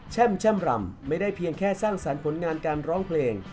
แช่มรำไม่ได้เพียงแค่สร้างสรรค์ผลงานการร้องเพลง